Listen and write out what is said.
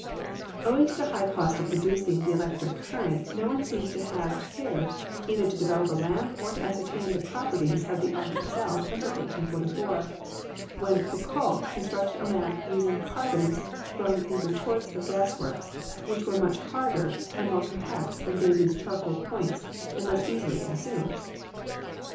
Owing to the high cost of producing the electric current no one seems to have cared either to develop a lamp or to ascertain the properties of the arc itself until 1844, when Foucault constructed a lamp using carbons from the retorts of gas works, which were much harder and more compact than Davy's charcoal points and less easily consumed.